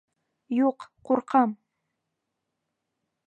Юҡ, ҡурҡам!